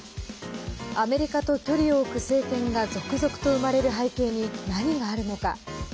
アメリカと距離を置く政権が続々と生まれる背景に何があるのか。